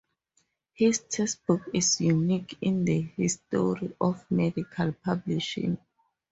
His textbook is unique in the history of medical publishing.